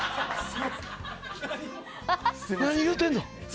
何言うてんの。